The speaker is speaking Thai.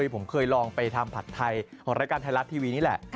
ผมเคยลองไปทำผัดไทยของรายการไทยรัฐทีวีนี่แหละ